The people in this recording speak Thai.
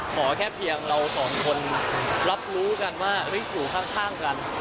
ขอแค่เพียงเราสองคนรับรู้กันว่าอยู่ข้างกัน